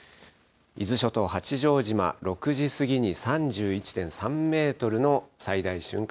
伊豆諸島八丈島、６時過ぎに３１．３メートルの最大瞬間